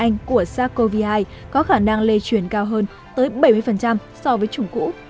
các quản chức y tế tại anh cảnh báo biến thể virus corona anh của sars cov hai có khả năng lây truyền cao hơn tới bảy mươi so với chủng cũ